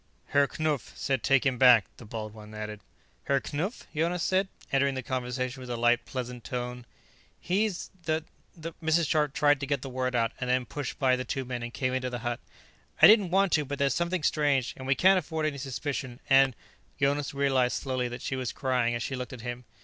"Herr Knupf said take him back," the bald one added. "Herr Knupf?" Jonas said, entering the conversation with a light, pleasant tone. "He's the ... the " Mrs. Scharpe tried to get the word out, and then pushed by the two men and came into the hut. "I didn't want to but there's something strange, and we can't afford any suspicion, and " Jonas realized slowly that she was crying as she looked at him.